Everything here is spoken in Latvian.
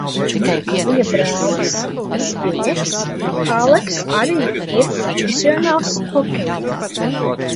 Viņa brālis Zbiņeks Mihāleks arī ir profesionāls hokejists.